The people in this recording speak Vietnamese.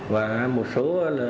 và một số